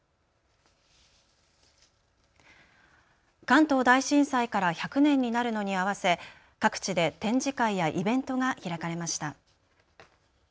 関東大震災から１００年になるのに合わせ各地で展示会やイベントが開かれました。